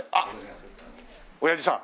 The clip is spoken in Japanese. おやじさん？